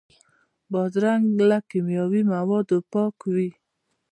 بادرنګ له کیمیاوي موادو پاک وي.